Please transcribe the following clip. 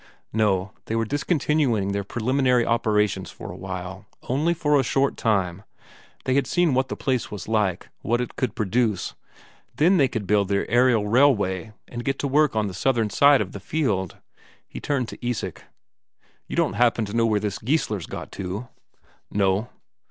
No, they were discontinuing their preliminary operations for a while, only for a short time; they had seen what the place was like, what it could produce; then they could build their aerial railway and get to work on the southern side of the fjeld. He turned to Isak: "You don't happen to know where this Geissler's got to?" "No."